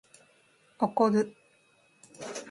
怒る